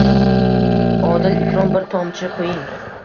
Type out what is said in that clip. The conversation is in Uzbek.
Odil Ikrom, bir tomchi quying